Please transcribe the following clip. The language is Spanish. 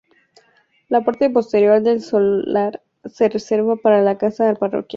La parte posterior del solar se reserva para la casa parroquial.